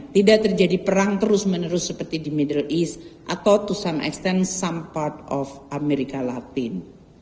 tidak terjadi perang terus menerus seperti di middle east atau to some extent some part of amerika latin